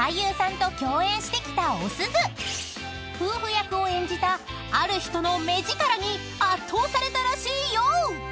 ［夫婦役を演じたある人の目力に圧倒されたらしいよ］